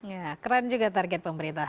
ya keren juga target pemerintah